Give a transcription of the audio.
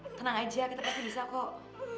tenang aja kita pasti bisa kok